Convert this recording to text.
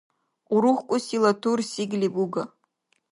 УрухкӀусила тур сигли буга.